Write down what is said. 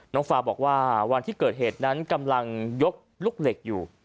ฟาบอกว่าวันที่เกิดเหตุนั้นกำลังยกลูกเหล็กอยู่